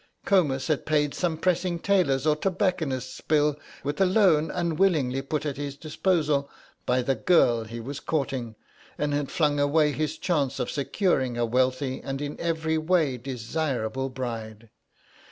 Comus had paid some pressing tailor's or tobacconist's bill with a loan unwillingly put at his disposal by the girl he was courting, and had flung away his chances of securing a wealthy and in every way desirable bride.